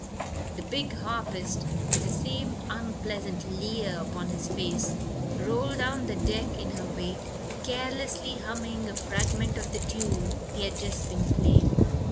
The big harpist, with the same unpleasant leer upon his face, rolled down the deck in her wake, carelessly humming a fragment of the tune he had just been playing.